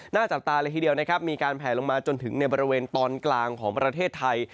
จับตาเลยทีเดียวนะครับมีการแผลลงมาจนถึงในบริเวณตอนกลางของประเทศไทย